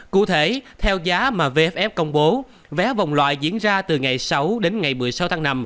cụ thể theo giá mà vff công bố vé vòng loại diễn ra từ ngày sáu đến ngày một mươi sáu tháng năm